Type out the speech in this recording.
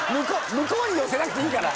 向こうに寄せなくていいから。